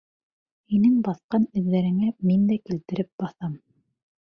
Һинең баҫҡан эҙҙәреңә мин дә килтереп баҫам.